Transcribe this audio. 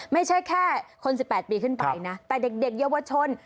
ไม่ใช่แค่คน๑๘ปีขึ้นไปนะแต่เด็กเยาวชน